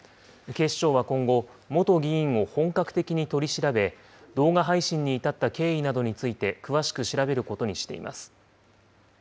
警視庁は今後、元議員を本格的に取り調べ、動画配信に至った経緯などについて詳しく調べることにしています。